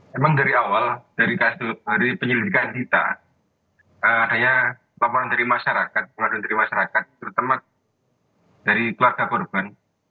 memang dari awal dari penyelidikan kita adanya laporan dari masyarakat pengaduan dari masyarakat terutama dari keluarga korban